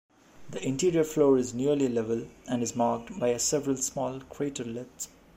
The interior floor is nearly level and is marked by a several small craterlets.